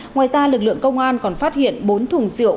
ngoài ra lực lượng công an còn phát hiện bốn thùng rượu